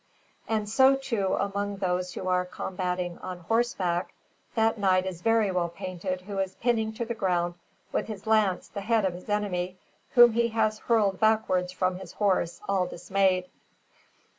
And so, too, among those who are combating on horseback, that knight is very well painted who is pinning to the ground with his lance the head of his enemy, whom he has hurled backwards from his horse, all dismayed.